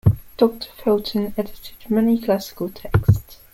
Doctor Felton edited many classical texts.